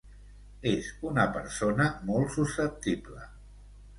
És una persona molt susceptible.